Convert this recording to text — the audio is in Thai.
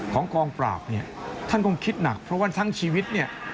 กองปราบเนี่ยท่านคงคิดหนักเพราะว่าทั้งชีวิตเนี่ย